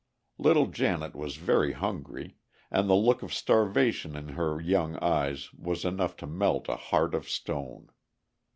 Little Janet was very hungry, and the look of starvation in her young eyes was enough to melt a heart of stone.